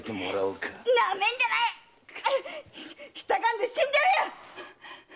舌かんで死んでやるよ！